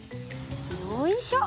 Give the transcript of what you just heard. よいしょ！